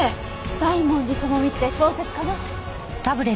大文字智美って小説家の？